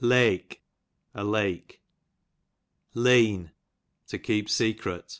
Leach, a lake. Lean, to keep secret. A.